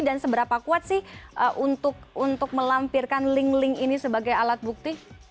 dan seberapa kuat sih untuk melampirkan link link ini sebagai alat bukti